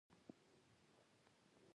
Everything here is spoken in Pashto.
پسه د ژمې لپاره ګټه لري.